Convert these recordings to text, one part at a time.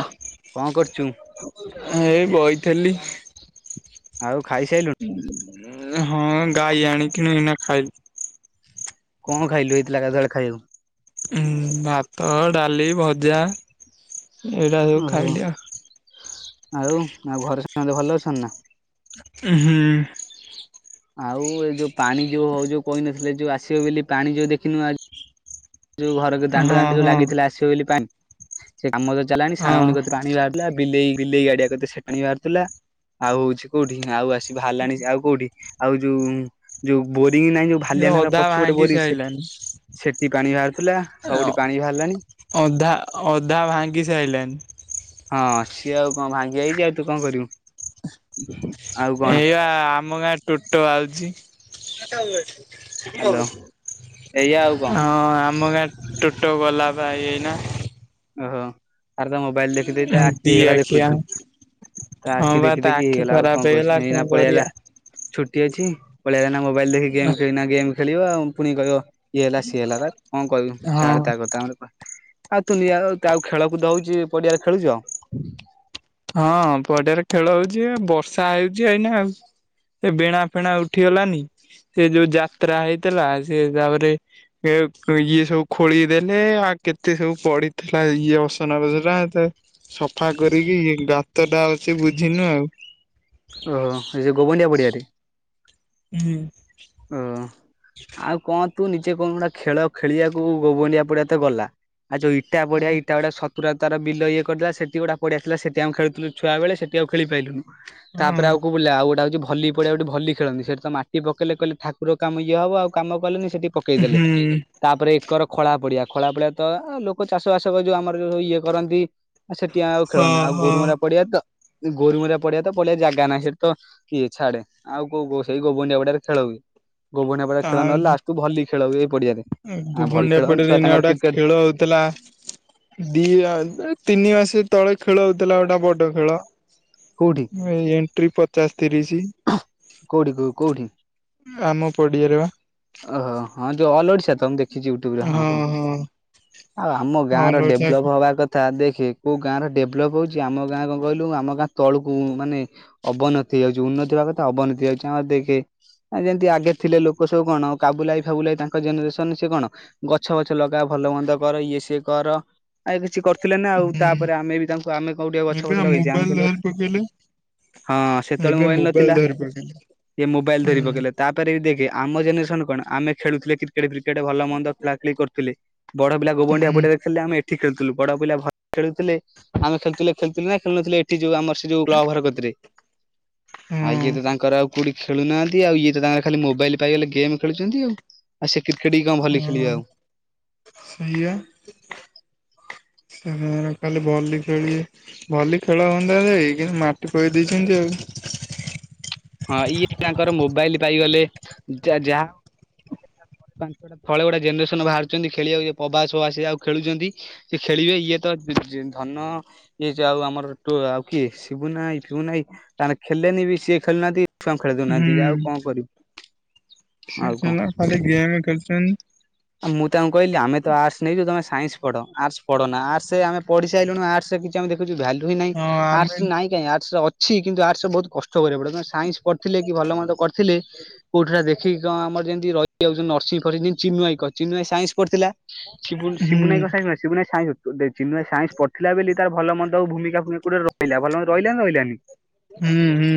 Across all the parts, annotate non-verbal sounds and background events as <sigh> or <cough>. ଅ। କଣ କରୁଛୁ। ଏଇ ବଇଥେଲି। ଆଉ ଖାଇସାଇିଲୁ ହଁ ଗାଈ ଆଣିକି ଏଇନା ଖାଇଲି। କଣ ଖାଇଲୁ ଏଇଥିଲା ଏକାଥରେ ଖାଇବୁ। ହୁଁ ଭାତ ଡାଲି ଭଜା ଏଇରା ସବୁ ଓହୋ ଖାଇଲି ଆଉ। ଆଉ ଆଉ ଘରେ ସମତେ ଭଲ ଅଛଛନ୍ତି ନା? ଉଁ ହୁଁ। ଆଉ ଏ ଯୋଉ ପାଣି ଯୋଉ ହଉ ଯୋଉ କହିନଥିଲେ ଯୋଉ ଆସିବ ବୋଲି ପାଣି ଯୋଉ ଦେଖିନୁ ଆ ଯଉ ଘର ଜଉ ଦାଣ୍ଡେ ହଁ ଦାଣ୍ଡେ ଯଉ ହଁ ଲାଗିଥିଲା ଆସିବ ବୋଲି ପାଣି ସେ କାମ ତ ଚଲାଣି ହଁ ସାନଭଉଣୀ ପାଣି ବାହାରାରୁଥିଲା ବିଲେଇ ବିଲେଇ ଗାଡିଆ କତିରେ ସେପାଣି ବାହାରାରୁଥିଲା ଆଉ ହଉଛି କୋଉଠି ଆଉ ଆସି ବାହାରିଲାଣି ଆଉ କୋଉଠି ଆଉ ଯୋଉ ଯୋଉ ବୋରିଂ ନାହିଁ ଯୋଉ ସେ ଭାଲିଆନାର ଅଧା ପଛ ପଟେ ଭାଙ୍ଗି ବରି ସେଠି ସାଇଲାଣି। ସେଠି <inaudible> ଥିଲା ସବୁଠି ପାଣି ବାହାରିଲାଣି। ଅଧା ଅଧା ଭାଙ୍ଗି ସାଇଲାଣି। ହଁ ସିଏ ଆଉ କଣ ଭାଙ୍ଗି ଯାଇଛି ଆଉ ତୁ କଣ କରିବୁ। ଆଉ କଣ ଏଇଆ ଆମ ଗାଁ ଟୋଟୋ ଆଉଛି। ହ୍ୟାଲୋ ଏଇଆ ଆଉ କଣ। ହଁ ଆମ ଗାଁ ଟୁଟୋ ଗଲା ବା ଏଇ ଏଇନା। ଓହୋ ଆରେ ତା ମୋବାଇଲ ଦେଖିଦେଇ ଆଖି ଦି ହେଇଗଲା ଆଖିଆ ଦେଖୁଛୁ। ତା ହଁ ଆଖି ବା ଦେଖି ତା ଦେଖି ଆଖି ହେଇଗଲା ଆଉ ଖରାପ କଣ ହେଇଗଲା କହୁଛ କଣ ଏଇନା କରିବା। ପଳେଇଆଲା ଛୁଟି ଅଛି ପଳେଇବ ଏଇନା ମୋବାଇଲ ଦେଖି ଗେମ୍ ଖ ଗେମ୍ ଖେଳିବ ଆଉ ପୁଣି କହିବ ଇଏ ହେଲା ସିଏ ହେଲାପା କଣ କହିବୁ ହଁ ଛାଡେ ତା କଥା ଆମର କଣ ତୁନିଆ ଆଉ ଖେଳକୁଦ ହେଉଛି ପଡିଆରେ ଖେଳୁଛ? ହଁ ପଡିଆରେ ଖେଳ ହଉଛି ବର୍ଷା ହେଉଛି ଏଇନା ଆଉ। ସେ ବେଣା ଫେଣା ଉଠିଗଲାନି ସେ ଯୋଉ ଯାତ୍ରା ହେଇଥିଲା। ସେ ତାପରେ ଏ ଇଏ ସବୁ ଖୋଳିଦେଲେ ଆଉ କେତେ ସବୁ ପଡିଥିଲା ଇଏ ଅସନା ବସନା ସଫା କରିକି ଗାତ ଟା ଅଛି ବୁଝିନୁ ଆଉ। ଓ ହୋ ସେ ଗୋବଣ୍ଡିଆ ପଡିଆରେ। ହୁଁ। ଓ ଆଉ କଣ ତୁ ନିଜେ କଉନୁ ଗୁଟା ଖେଳ ଖେଳିବାକୁ ଗୋବଣ୍ଡିଆ ପଡିଆ ତ ଗଲା। ଆଉ ଯୋଉ ଇଟା ବଢିଆ ଇଟା ଗୁଡା ସତ। ପୁରା ତାର ବିଲ ଇଏ କରିଦେଲା ସେଠି ଗୁଟା ପଡିଆଥିଲା ସେଠି ଆମେ ଖେଳୁଥିଲୁ ଛୁଆବେଳେ ସେଠି ଆଉ ଖେଳି ପାଇଲୁନୁ। ହଁ ତାପରେ ଆଉ କୋଉ ବୁଲିଆ ଆଉ ଗୋଟା ହଉଛି ଭଲି ପଡିଆ ଯୋଉଠି ଭଲି ଖେଳନ୍ତି ସେଠି ତ ମାଟି ପକେଇଲେ କହିଲେ। ଠାକୁର କାମ ଇଏ ହବ ଆଉ କାମ କଲେନି ସେଠି ପକେଇଦେଲେ। ହୁଁ ତାପରେ ଏକର ଖଳା ପଡିଆ ଖଳା ପଡିଆ ତ ଲୋକ ଚାଷ ବାସ ଯୋଉ ଆମର ଯୋଉ ଇଏ କରନ୍ତି। ଆଉ ସେଠି ଆଉ ଖେଳୁନୁ ଆଉ ଗୋରୁମରା ପଡିଆ ତ ଗୋରୁମରା ପଡିଆ ତ ପଡିଆ ଜାଗା ନାହିଁ ସେଠି ତ କିଏ ଛାଡେ ଆଉ କୋ କଉ ସେଇ ଗୋବୁଣ୍ଡିଆ ପଡିଆରେ ଖେଳ ହୁଏ। ଗୋବଣ୍ଡିଆ ପଡିଆରେ ଖେଳ ନହେଲେ ଲଷ୍ଟକୁ ଭଲି ଖେଳହୁଏ ଏଇ ପଡିଆରେ। ହୁଁ ଆ ଭଲି ଗୋବୁଣ୍ଡିଆ ଖେଳ ଛୁଆ ପଡିଆରେ ଏଇନା ତାଙ୍କର ଗୋଟା କ୍ରିକେଟ ଖେଳ ହଉଥିଲା। ଦି ତିନି ମାସେ ତଳେ ଖେଳ ହଉଥିଲା ଗୋଟେ ବଡ ଖେଳ। କୋଉଠି? ଏ ଏଣ୍ଟ୍ରି ପଚାଶ ତିରିଶି। କୋଉଠି କୋଉ କୋଉଠି? ଆମ ପଡିଆରେ ବା। ଓହୋ ହଁ ଯୋଉ ଅଲ୍ ଓଡ଼ିଶା ତ ମୁଁ ଦେଖ ଦେଖିଛି ୟୁଟ୍ୟୁବରେ ହଁ ହଁ ଆଉ ଆମ ଗାଁ ହଁ ର ଲୋ ଡେଭଲପ ହବା କ ତା ଦେଖେ କୋଉ ଗାଁ ର ଡେଭଲପ୍ ହଉଛି ଆମ ଗାଁ କଣ କହିଲୁ ଆମ ଗାଁ ତଳକୁ ମାନେ। ଅବନତି ହଉଛି ଉନ୍ନତି ହେବା କଥା ଅବନତି ହଉଛି ଆମର ଦେଖେ ଯେମିତି ଆଗେ ଥିଲେ ଲୋକ ତ କଣ କାବୁଲା ଭାଇ ଫାବୁଲା ଭାଇ ତାଙ୍କ ଜେନେରେସନ ସେ କଣ? ଗଛ ବଛ ଲଗା ଭଲ ମନ୍ଦ କର ଇଏ ସିଏ କର ଆ କିଛି କର ଥିଲେ ନା ଆଉ ହୁଁ ତାପରେ ଆମେ ବି ତାଙ୍କୁ ଆମେ କୋଉ ଟିକେ ଗଛ ଏବେ ଆ ପଛ ଲଗେଇଛୁ ମୋବାଇଲ ଆମେ କହିଲୁ ଧରି ପକେଇଲେ ହଁ ସେତେବେଳେ ଏବେ ମୋବାଇଲ ନଥିଲା ଧରି ପକେଇଲେ। ଇଏ ମୋବାଇଲ ଧରି ପକେଇଲେ ହୁଁ ତାପରେ ବି ଦେଖେ ଆମ ଜେନେରେସନ୍ କଣ ଆମେ ଖେଳୁଥିଲେ କ୍ରି କ୍ରିକେଟ ଫ୍ରୀକେଟ ଭଲ ମନ୍ଦ ଖେଳା ଖେଳି କରୁଥିଲେ। ବଡ ପିଲା ଗୋବଣ୍ଡିଆ ପଡ଼ିଆ ରେ ଖେଳିଲେ ଆମେ ଠିକ୍ ଖେଳୁଥିଲୁ ବଡ ପିଲା ଭଲ୍ ଖେଳୁଥିଲେ। ଆମେ ଖେଳୁଥିଲେ ଖେଳୁଥିଲେ ନା ଖେଳୁନଥିଲେ ଏଠି ଯୋଉ ଆମର ସେ ଯୋଉ କ୍ଲବ ଘର କତିରେ? ଆଉ ହଁ ଇଏ ତ ତାଙ୍କର ଆଉ କୋଉଠି ଖେଳୁନାହାନ୍ତି ଆଉ ଇଏ ତ ତାଙ୍କର ଖାଲି ମୋବାଇଲ ପାଇଗଲେ ଗେମ୍ ଖେଳୁଛନ୍ତି ଆଉ ଆ ସେ କ୍ରିକେଟ୍ କି କଣ? ଭଲି ଖେଳିବେ ହଁ ଆଉ ସେଇଆ। ଉଁ ହୁଁ ଖାଲି ଭଲି ‌ଖେଳିବେ। ଭଲିଖେଳ ହୁଅନ୍ତା ଯେ କିନ୍ତୁ ମାଟିପକେଇ ଦେଇଛନ୍ତି ଆଉ ହଁ ଇଏ ତାଙ୍କର ମୋବାଇଲ ପାଇଗଲେ ଯାହା ପାଞ୍ଚାଟା ତଳେ ଗୋଟେ ଜେନେରେସନ ବାହାରୁଛନ୍ତି ଖେଳିବାକୁ ଇଏ ପ୍ରଭାସ ଫବାସ ସିଏ ଆଉ ଖେଳୁଛନ୍ତି। ସିଏ ଖେଳିବେ ଇଏ ତ ଧନ ଇଏ ଯୋଉ ଆଉ ଆମର ଆଉ କିଏ ସିିବୁନା ଭାଇ ଫିବୁନା ଭାଇ ନାହିଁ ତାଙ୍କର ଖେଳିଲେନି ବି ସିଏ ଖେଳୁନାହାନ୍ତି କି ଛୁଆଙ୍କୁ ଖେଳେଇ ଦଉନାହାନ୍ତି ବି ହୁଁ ଆଉ କଣ କରିବୁ? ଆଉ କଣ। ଖାଲି ଗେମ ଖେଳୁଛନ୍ତି। ମୁଁ ତାଙ୍କୁ କହିଲି ଆମେ ତ ଆର୍ଟସ ନେଇଛୁ ତମେ ସାଇନ୍ସ ପଢ଼ ଆର୍ଟସ ପଢନା ଆର୍ଟସ ଅମେପଢ଼ି ସାରିଲୁଣି ଆର୍ଟସରେ କିଛିଆମେ ଦେଖିନୁ ଭାଲୁ ହିଁ ନାହିଁ ହଁ ଆମେ ଆର୍ଟସ ନାହିଁ କାଇଁ ଆର୍ଟସ୍ ଅଛି କିନ୍ତୁ ଆର୍ଟସ ବହୁତ କଷ୍ଟ କଷ୍ଟ କରିବାକୁ ପଡ଼ିବ ସାଇନ୍ସ ପଢ଼ିଥିଲେ କି ଭଲ ମନ୍ଦ କରିଥିଲେ କୋଉଠି ଦେଖିକି କଣ ଆମର ଯେମିତି ସେ ଯୋଉ ନର୍ସିଂ ପଢ଼ିଚି ଚିନୁ ଭାଇ କରିଛି ଚିନୁ ଭାଇ ସାଇନ୍ସ ପଢ଼ିଥିଲା ହୁଁ ଶିବୁନୁ ଭାଇ କଣ ସିବୁନା ଭାଇ ସାଇନ୍ସ ପଢିଥିଲା ଦେଖେ ଚିନୁ ଭାଇ ସାଇନ୍ସ ପଢ଼ିଥିଲା ବୋଲି ତାର ଭଲ ମନ୍ଦ ଭୂମିକା ଗୋଟେ ରହିଲା ଭଲ ରହିଲା ନା ରହିଲାନି। ହୁଁ ହୁଁ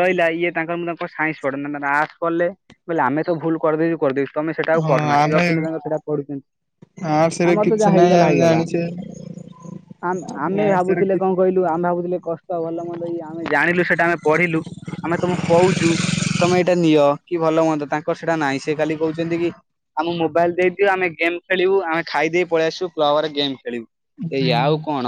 ରହିଲା ଇଏ ତାଙ୍କର ମୁଁ ତା ସାଇନ୍ସ ପଢ଼ିଲେ ଆର୍ଟସ ପଢ଼ିଲେ ଆମେ ତ ଭୁଲ କରିଦେଇଛୁ କରିଦେଇଛୁ। ତମେ ସେଟା ଆଉ ହଁ କରନା। ଆମେ ତାଙ୍କର ସେଟା ପଢୁଛନ୍ତି ଆର୍ଟସରେ ଆମର ତ କିଛି ଯାହା ନାହିଁ ହେଇଗଲା ଆମେ ହେଇଗଲା। ଜାଣିଛେ ଆ ଆମେ ଆର୍ଟସରେ ଭାବୁଥିଲେ କି କଣ? କହିଲୁ ଆମେ ଭାବୁଥିଲେ କଷ୍ଟ ଭଲ ମନ୍ଦ ଇଏ ଆମେ ଜାଣିଲୁ ସେଟା ଆମେ ପଢିଲୁ ଆମେ ତମକୁ କହୁଛୁ? ତମେ ଏଇଟା ନିଅ କି ଭଲ ମନ୍ଦ ତାଙ୍କର ସେଇଟା ନାହିଁ ସେ ଖାଲି କହୁଛନ୍ତି କି ଆମ ମୋ ମୋବାଇଲ ଦେଇଦିଅ ଆମେ ଗେମ୍ ଖେଳିବୁ ଆମେ ଖାଇ ଦେଇ ପଳେଇ ଆସିବୁ ଆମେ ଗେମ୍ ଖେଳିବୁ। ହୁଁ ଏଇଆ ଆଉ କଣ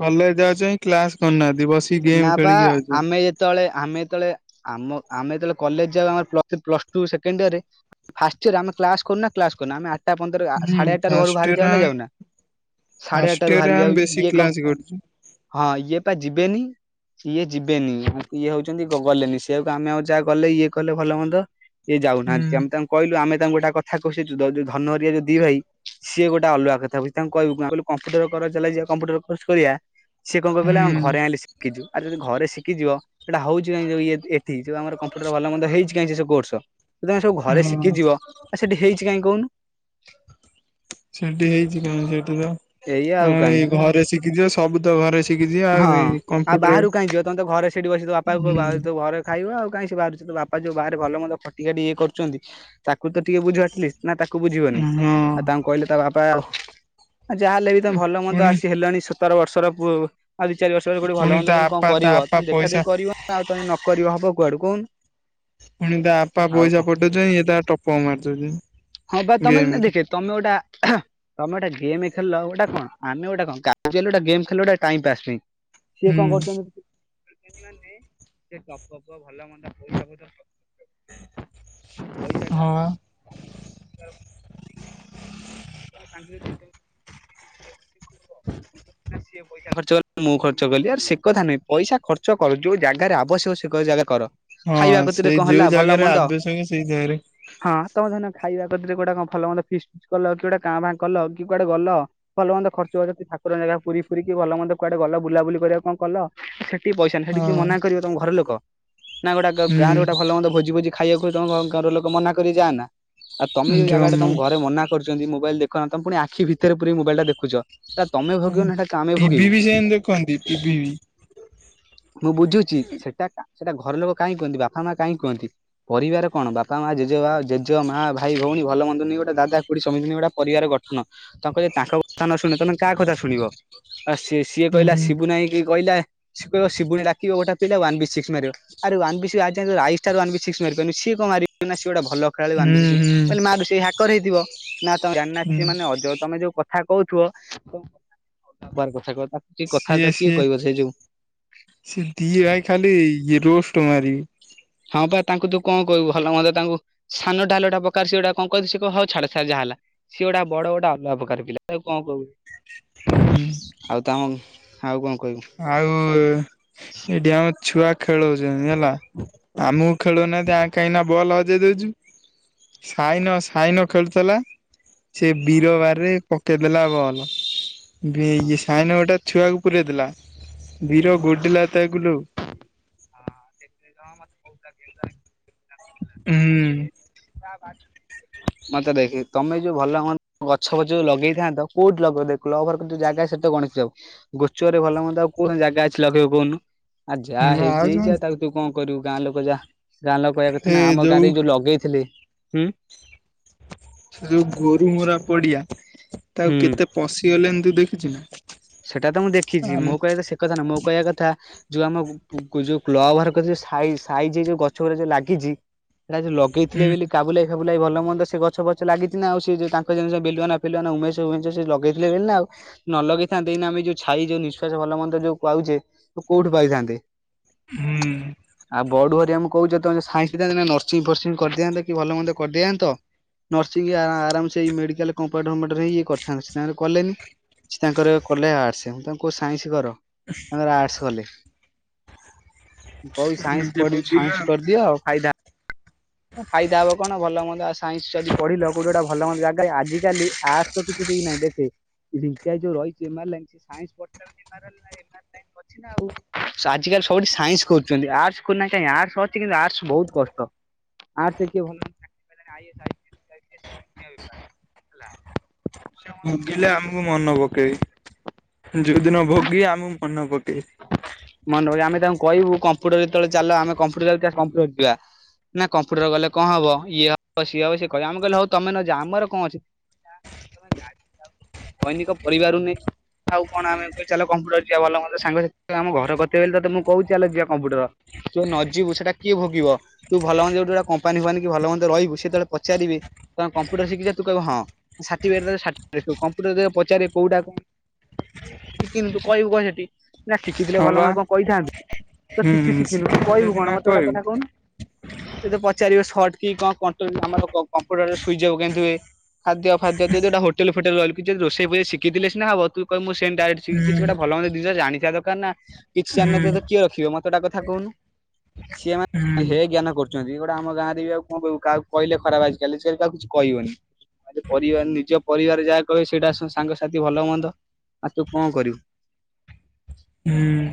କଲେଜ ଯାଉଛନ୍ତି କ୍ଲାସ କରୁନାହାନ୍ତି ବସିକି ଗେମ୍ ଖେଳିକି ଆସୁଛନ୍ତି। ସେତେବେଳେ ଆମେ ଯେତେବେଳେ ଆମ ଆମେ ଯେତେବେଳେ କଲେଜ ଯାଉ ଆମ ପ୍ଲସ ଟୁ ସେକେଣ୍ଡ ଇଅରରେ। ଫାଷ୍ଟ ଇଅର ଆମେ କ୍ଲାସ କରୁନା କ୍ଲାସ କରୁନା ଆମେ ଆଠଟା ପନ୍ଦର ହୁଁ ସାଢେ ଆଠଟାରୁ ଘରୁ ଫାଷ୍ଟ ବାହାରି କି ଇୟର ଯାଉନ ନା ଆମେ ଯାଉନା। ସାଢେ ଫାଷ୍ଟ ଆଠଟାରୁୁ ବାହାରି ଇୟରରେ କି ଯାଉ ଆମେ ବେଶୀ ଇଏ କଣ କ୍ଲାସ କରୁଛୁ। ହଁ ଇଏ ପା ଯିବେନି? ଇଏ ଯିବେନି ଇଏ ହଉଛନ୍ତି ଗବଲଲେଲି ସେଇଆକୁ ଆମେ ଆଉ ଯାହା କଲେ ଇଏ କଲେ ଭଲ ମନ୍ଦ। ସେଏ ହୁଁ ଯାଉନାହାନ୍ତି ଆମେ ତାଙ୍କୁ କହିଲୁ ଆମେ ତାଙ୍କୁ ଗୋଟେ କଥା କହୁଚୁ ଯୋଉ ଧନ ହରିକା ଯୋଉ ଦି ଭାଇ ସିଏ ଗୋଟେ ଅଲଗା କଥା ଭାଇ ତାଙ୍କୁ କହିଲୁ ଚାଲ ଯିବା କମ୍ପ୍ୟୁଟର କର ଯିବା ଚାଲ କମ୍ପ୍ୟୁଟର କୋର୍ସ କରିବା? ସିଏ କଣ କହିଲେ ଆମେ ହୁଁ ଘରେ ଆଣିକି ଶିଖିଯିବୁ ଆଉ ଯଦି ଘରେ ଶିଖିଯିବ? ସେଇଟା ହଉଛି କାଇଁ ଯଉ ଇଏ ଏଠି ଯୋଉ ଆମର କମ୍ପ୍ୟୁଟର ଭଲ ମନ୍ଦ ହେଇଚି କାଇଁ ଯୋଉ କୋର୍ସ। ତମେ ସବୁ ଘରେ ହଁ ଶିଖିଯିବ ସେଠି ହେଇଚି କାଇଁ କହୁନୁ? ସେଠି ହେଇଛି କଣ ସେଠି ତ ଏଇଆ ଆଉ କାଇଁ। ତମେ ଘରେ ଶିଖିଯିବ ସବୁତ ଘରେ ଶିଖିଯିବ ଆଉ ହଁ ଏଇ ଆଉ କମ୍ପ୍ୟୁଟର ବାହାରକୁ କାହିଁ ଯିବ ତମେ ତ ଘରେ ସେଠି ବସି ତୋ ବାପାକୁ କହିବ ହୁଁ ଘରେ ଖାଇବା ଆଉ କାହିଁ ସେ ବାହାରକୁ ତ ବାପା ଯୋଉ ବାହାରେ ଭଲ ମନ୍ଦ ଖଟି ଖାଟି କରୁଛନ୍ତି ତାକୁ ତ ଟିକେ ବୁଝ ଆଟଲିଷ୍ଟ। ନା ତାକୁ ବୁଝିବନି ହଁ ଆଉ ତାଙ୍କୁ କହିଲେ ତା ବାବା ଆ ଯାହାହେଲେ ବି ତମ ଭଲ ମନ୍ଦ ପୁଣି ଆସି ହେଲଣି ସତର ବର୍ଷର ପୁଅକୁ ଚାରି ବର୍ଷ ର ଗୋଟେ ଭଲ ପୁଣି ମନ୍ଦ ତା ଯାଇ କଣ ଆପା ତା କରିବ ଆପା ତମେ ପଇସା ଦେଖାଦେଇି କରିବ ନା ଆଉ ତମେ ନ କରିବ ହବ କୁଆଡୁ କଉନୁ। ପୁଣି ତା ବାପା ପାଇସା ପଠଉଚନ୍ତି ଇଏ ତା ଟପକ ମାରୁଉଛନ୍ତି ହଁ ବା ତମେ ଦେଖେ ତମେ ଗୋଟେ ତମେ ଗୋଟେ ଗେମ୍ ଖେଳିଲ ଏଇଟା କଣ? ଆମେ ଗୋଟେ କଣ ଗୋଟେ ଗାଡ଼ି ଚଲେଇଲୁ ଏଇଟା ଗୋଟେ ଟାଇମ୍ ପାସ୍ ପାଇଁ। ସିଏ ହୁଁ କଣ କରୁଛନ୍ତି? ହଁ ବା। ଆ ତାଙ୍କ ନା ସିଏ ପଇ ପଇସା ଖର୍ଚ୍ଚ କାଲି ମୁଁ ଖର୍ଚ୍ଚ କଲି ଆରେ ସେ କଥା ନୁହେଁ ପଇସା ଖର୍ଚ୍ଚ କର ଯୋଉ ଜାଗାରେ ଆବଶ୍ୟକ ସେ ଜାଗାରେ କର। ହଁ ଖାଇବା କତିରେ ସେଇ କଣ ହେଲା ଯୋଉ ଭଲ ଜାଗାରେ ମନ୍ଦ ଆବଶ୍ୟକ ସେଇ ଜାଗାରେ ହଁ ତମେ ଦିନେ ଖାଇବା <unintelligible> ରେ କୋଉଟା କଣ ଭଲ ମନ୍ଦ ଫିଷ୍ଟି କଲ କଣ କି ଗୋଟେ କା ଭା କଲ କି କୁଆଡେ ଗଲ ଭଲ ମନ୍ଦ ଖର୍ଚ୍ଚ ଠାକୁର ଜାଗା ପୁରୀ ଫୁରୀ ଗଲ କି ଭଲ ମନ୍ଦ କୁଆଡେ ଗଲ ବୁଲାବୁଲି କରିବା କଣ କଲ ସେଠି ପଇସା ନାହିଁ ସେଠୀକିଏ ହଁ ମନା କରିବ ତମ ଘର ଲୋକ ନା ଗୋଟେ ଗା ଗାଁରେ ଗୋଟେ ହୁଁ ଭଲ ମନ୍ଦ ଭୋଜି ଭୋଜି ଖାଇବାକୁୁ ତମ ଘର ଲୋକ ମନା କରିବେ ଯାଆନା। ଆଉ ତମେ ଯୋଉ ଜାଗା ଟା ତମ ଜମା ଘରେ ମନା କରୁଛନ୍ତି ମୁଁ ମୋବାଇଲ୍ ଦେଖନା ତ ପୁଣି ଆଖି ଭିତରେ ପୁରେଇ କି ମୋବାଇଲ୍ ଦେଖୁଚ। ତ ତମେ ଭୋଗିବ ନାହିଁ କଣ ଆମେ ଟିଭି ଭୋଗିବୁ। ବି ସେମିତି ଦେଖନ୍ତି ଟିଭି ବି ମୁଁ ବୁଝୁଛି ସେଟା ସେଟା ଘର ଲୋକ କାହିଁ କୁହନ୍ତି ବାପା ମା କାହିଁ କୁହନ୍ତି? ପରିବାର କଣ ବାପା ମାଆ ଜେଜେ ବା ଜେଜେ ମା ଭାଇ ଭଉଣୀ ଭଲ ବନ୍ଦ ଗୋଟେ ଦାଦା ଖୁଡୀ। <unintelligible> ପରିବାର ଗଠନ ତାଙ୍କ କଥା ଯଦି ତାଙ୍କ କଥା ନ ଶୁଣିବ ତମେ କାହା କଥା ଶୁଣିବ। ଆ ସିଏ ସିଏ କହିଲା ହୁଁ ସିବୁନା ଭାଇ କି କହିଲା ସିଏ କହିବ ସିବୁନା ଡାକିବ ଗୋଟେ ପିଲା ୱାନ୍ ବି ସିକ୍ସ ମାରିବ। ଆରେ ୱାନବି ସିକ୍ସ ଆଇ ଷ୍ଟାର୍ ୱାନବିସିକ୍ସ ମାରିପରୁନି ଆରେ ସିଏ କଣ ମାରିବ ନା ସିଏ ଗୋଟେ ଭଲ ସକାଳୁ ହୁଁ ବାନ୍ଧିଛି ସିଏ ମୁଁ ହୁଁ କଇଲି ସିଏ ମାରୁ ସିଏ ହାକର ହେଇଥିବ। ନା ତମେ ଜାନା ହୁଁ ସିଏ ମାନେ ଅଜ ତମେ ଯୋଉ କଥା କହୁଥୁଅ। <unintelligible> ସିଏ ସିଏ ସିଏ ଦି ଭାଇ ଖାଲି ଇଏ ରୋଷ୍ଟ ମାରିବେ। ହଁ ପା ତାଙ୍କୁ ତୁ କଣ କହିବୁ ଭଲ ମନ୍ଦ ତାଙ୍କୁ ସାନଟା ହେଲେ ଗୋଟେ ପକା ସିଏଗୋଟା କଣ କହିଦେବ ସେ କହିବ ହଉ ଛାଡ ଛାଡ ଯାହା ହେଲା। ସିଏ ଗୋଟେ ବଡ ଗୋଟେ ଅଲଗା ପ୍ରକାର ପିଲା ତାକୁ କଣ କହୁ। ହୁଁ। ଆଉ ତାଙ୍କୁ ଆଉ କଣ କହିବୁ। ଆଉ ଏଇଠି ଆମର ଛୁଆ ଖେଳଉଛନ୍ତି ହେଲା ଆମକୁ ଖେଳଉନାହାନ୍ତି ଆ କାହିଁକି ବଲ ହଜେଇ ଦଉଚୁ। ସାଇନ ସାଇନ ଖେଳୁଥିଲା ସେ ହଁ ଯୋଉ ସାଇ ବୀରବାରେ ହଁ ପ ଦେଲା ବଲ ଇଏ ସାଇନ ଗୋଟା ଛୁଆକୁ ପୁରାଇ ଦେଲା। ବୀର ଗୋଡିଲା ତାଗୁଲୁ <unintelligible> ହୁଁ। <unintelligible> ମତେ ଦେଖେ ତମେ ଯୋଉ ଭଲମ ଗଛ ଫଛ ଯୋଉ ଲଗେଇଥାନ୍ତ କୋଉଠି ଲଗଦେ କ୍ଲବ ଘର <unintelligible> ଜାଗା ଅଛି ସେଠିତ ଗଣେଶପୂଜା ହୋଉଛି ଗୋଚରେ ଭଲ ମନ୍ଦ ଆଉ କୋଣ ଜାଗା ଅଛି ଲଖେଇବୁ କହୁନୁ। ଆଉ ଯାହା ହେଇଚି ଆଉ ଯୋଉ ତୁ କଣ କରିବୁ ଗାଁ ଲୋକ ଯାହା ଗାଁ ଲୋକ କାୟା କଥା ନା ଆମ ଗାଁରେ ଯୋଉ ଲଗେଇଥିଲେ ଉଁ। ସେ ଯୋଉ ଗୋରୁ ମରା ପଡିଆ ତାକୁ ହୁଁ। କେତେ ପଶିଗଲେଣି ତୁ ଦେଖିଚୁନା। ସେଇଟା ତ ମୁଁ ଦେଖିଛି ମୋ କହିବା କଥା ସେ କଥାନୁ ମୋ କହିବା କଥା ଯୋଉ ଆମ ବୁଗୁ ବୁ ଯୋଉ କ୍ଲବ ଘର କତିରେ ସାଇ ସାଇଜି ଯୋଉ ଗଛ ଗୁଡା ଯୋଉ ଲାଗିଚି। ସେଟା ଏଇ ଯୋଉ ଲଗେଇଥିଲେ ହୁଁ ବୋଲି କାବୁଲେ ସେ ବୁଲାଇ ଭଲ ମନ୍ଦ ସେ ଗଛ ଫଛ ଲାଗିଛିନା ଆଉ ସେ ଯେ ତାଙ୍କ ଜେ ବିଲୁଆନା ଫିଲୁଆନା ଉମେଶ ଉମେଶ ସିଏ ଲଗେଇଥିଲେ ବେଲି ନା ଆଉ। ନଲଗେଇ ଥାନ୍ତେ ଏଇନା ଆମେ ଯୋଉ ଛାଇ ଯୋଉ ନିଶ୍ୱାସ ଭଲ ମନ୍ଦ ଯୋଉ ପାଉଚେ ତ କଉଠୁ ପାଇଥାନ୍ତେ। ହୁଁ। ଆଉ ବଡ଼ୁ ହେରିଆଙ୍କୁ ମୁଁ କହୁଚି ଯଦି ତୋମେ ସାଇନ୍ସ ହେଇଥାନ୍ତ ଏଇନା ନର୍ସିଂ ଫର୍ସିଂ କରିଦିଆନ୍ତ କି ଭଲ ମନ୍ଦ କରିଦିଆନ୍ତ। ନର୍ସିଂ ଆ, ଆରାମସେ ଏଇ ମେଡିକାଲ୍ କମ୍ପାଣ୍ଡମେଟରେ ହେଇ ଇଏ କରିଥାନ୍ତେ, ସିଏ ତାଙ୍କର କଲେନି। ସିଏ ତାଙ୍କର କଲେ ଆର୍ଟସ, ମୁଁ ତାଙ୍କୁ କହୁଚି ସାଇନ୍ସ କର। ହୁଁ। ତାଙ୍କର ଆର୍ଟସ କଲେ, ମୁଁ କହୁଚି ସାଇନ୍ସ ନିଜେ ପଢ଼ି, ଭୋଗିବା ସାଇନ୍ସ କରିଦିଅ ଫାଇଦା ହଁ ଫାଇଦା ହବ କଣ ଭଲ ମନ୍ଦ ଆଉ ସାଇନ୍ସ ଯଦି ପଢିଲ କୋଉଠି ଗୋଟେ ଭଲ ମନ୍ଦ ଜାଗାରେ ଆଜିକାଲି ଆର୍ଟସ ତ କିଛି ଦେଇନା ଦେବେ, ଝିଙ୍କା ଭାଇ ଯୋଉ ରହିଚି ଏମା ଆଇ ଲାଇନ୍ସ ସେ ସାଇନ୍ସ ପଢିଥିଲା ବୋଲି ତାର ହେଲାନା <inaudible> ଛି ନା ଆଉ ସ- ଆଜିକାଲି ସବୁଠି ସାଇନ୍ସ କରୁଚନ୍ତି, ଆର୍ଟସ କରୁନା କାହିଁକି, ଆର୍ଟସ ଅଛି କିନ୍ତୁ ଆର୍ଟସ ବହୁତ କଷ୍ଟ। ଆର୍ଟସ କିଏ ଭଲ <inaudible> ଆଇଏସ୍ ଆଇପିଏସ୍ ସେ ଦୁନିଆ ବେପାର ହେଲା। ଭଲ ସେ ଭୋଗିଲେ ଆମକୁ ମନେ ପକେଇବେ, ଯୋଉଦିନ ଭୋଗିବେ ଆମକୁ ମନେ ପକେଇବେ। ମନେ ପକେଇବେ ଆମେ ତାଙ୍କୁ କହିବୁ କମ୍ପ୍ୟଟର ଯେତେବେଳେ ଚାଲ ଆମେ କମ୍ପୁଟର ଦରକାର କମ୍ପୁଟର <unintelligible> ନା କମ୍ପୁଟର କଲେ କଣ ହବ ଇଏ ହବ ସିଏ ହବ ସିଏ କହିବେ, ଆମେ କହିଲୁ ହଉ ତୋମେ ନ ଯା ଆମର କଣ ଅଛି। <inaudible> ଦୈନିକ ପରିବାରରୁ ନେଇଁ ଆଉ କଣ ଆମେ ଏବେ ଚାଲ କମ୍ପୁଟର ଯିବା ଭଲ ମନ୍ଦ ସାଙ୍ଗରେ ତୁ ଆମ ଘର କତିରେ ବେଲି ତୋତେ ମୁଁ କହୁଚି ଚାଲ ଯିବା କମ୍ପୁଟର ତୁ <inaudible> ନ ଯିବୁ ସେଟା କିଏ ଭୋଗିବ। ତୁ ଭଲ ମନ୍ଦ ଯୋଉଠି ଗୋଟେ କମ୍ପାନି ଫମ୍ପାନି କି ଭଲମନ୍ଦ ରହିବୁ ସେତେବେଳେ ପଚାରିବେ, ତୋମେ କମ୍ପ୍ୟୁଟର ଶିକିଚ ତୁ କହିବୁ ହଁ। ସାର୍ଟିପିକେଟ୍ ଦେବେ ସାର୍ଟିପିକେଟ୍ ଦେଖେଇବୁ, କମ୍ପ୍ୟୁଟର ଯଦି ପଚାରିବେ କୋଉଟା କଣ ଶିକିନୁ ତୁ କହିବୁ କଣ ସେଠି। ନା ଶିଖିଥିଲେ ହଁ ଭଲ ବା ମନ୍ଦ କଣ କହିଥାନ୍ତୁ, ତ ହୁଁ କିଛି ଶିଖିନୁ ଶିଖେଇ ତୁ ଦେଲେ କହିବୁ ସିନା କଣ, ମୋତେ ଗୋଟେ କହିବୁ କଥା କହୁନୁ। ତୋତେ ପଚାରିବେ ସଟ୍ କି କଣ କଣ୍ଟ୍ରୋଲ୍ ଆମର କ-କମ୍ପୁଟର ସୁଇଜ୍ ଅଫ୍ କେମିତି ହୁଏ। ଖାଦ୍ଯ ଫାଦ୍ୟ ତୁ ଯୋଉଟା ହୋଟେଲ୍ ଫଟେଲ୍ ରହିଲୁ କି ଯଦି ରୋଷେଇ ଫୋଷେଇ ଶିଖିଥିଲେ ସିନା ହବ, ତୁ କହିବ ମୁଁ ସେମ ଡାଇରେକ୍ଟ ଶିଖି କିଛି ହୁଁ ଗୋଟେ ଭଲମନ୍ଦ ଜିନିଷ ଜାଣି ଥିବା ଦରକାର ନା କିଛି ଜାଣିନଥିବ ହୁଁ ତ କିଏ ରଖିବ, ମୋତେ ଗୋଟା କଥା କହୁନୁ। ସିଏ ମା ହୁଁ ହେ ଜ୍ଞାନ କରୁଚନ୍ତି ଗୋଟେ ଆମ ଗାଁରେ ବି ଆଉ କଣ କହିବୁ। କାହାକୁ କହିଲେ ଖରାପ ଆଜିକାଲି ଛୁଆକୁ କାଆକୁ କିଛି କହିବନି। ଆ, ଯେ ପରିବାର ନିଜ ପରିବାର ଯାହା କହିବେ ସେଇଟା ସ- ସାଙ୍ଗସାଥି ଭଲ ମନ୍ଦ ଆ, ତୁ କଣ କରିବୁ। ହୁଁ।